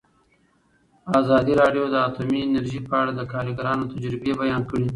ازادي راډیو د اټومي انرژي په اړه د کارګرانو تجربې بیان کړي.